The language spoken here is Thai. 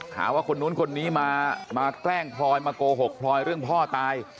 หาว่าคนนู้นคนนี้มาแกล้งพลอยมาโกหกพลอยเรื่องพ่อตาย